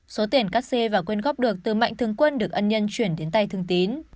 số tiền cắt xê và quyền góp được từ mạnh thương quân được ân nhân chuyển đến tay thương tín